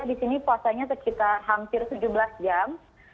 di sini puasanya sekitar hampir tujuh belas jam